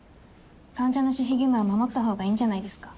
患者の守秘義務は守った方がいいんじゃないですか？